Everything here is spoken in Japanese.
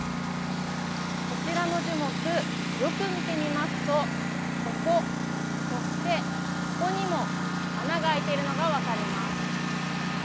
こちらの樹木、よく見てみますと、ここ、そしてここにも穴が開いているのが分かります。